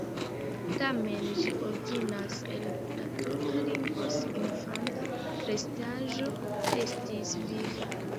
Tamen ĝi originas el la turka lingvo signifanta: restaĵo, restis viva.